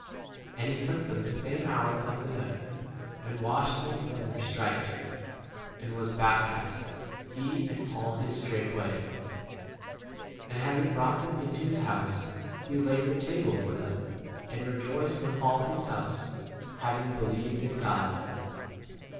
And he took them the same hour of the night and washed [them] from their stripes ; and was baptized, he and 34 all his straightway. And having brought them into his house he laid the table [for them], and re joiced with all his house,* having 35 believed in God.